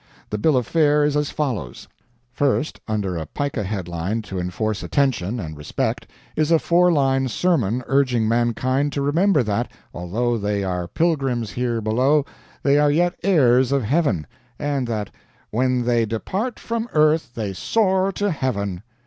The bill of fare is as follows: First, under a pica headline, to enforce attention and respect, is a four line sermon urging mankind to remember that, although they are pilgrims here below, they are yet heirs of heaven; and that "When they depart from earth they soar to heaven."